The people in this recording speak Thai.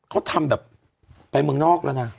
เขาทำแบบไปเมืองนอกแล้วนะ